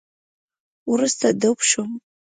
وروسته ډوب شوم